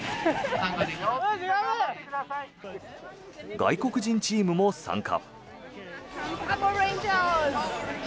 外国人チームも参加。